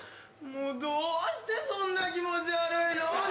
もうどうしてそんな気持ち悪いの。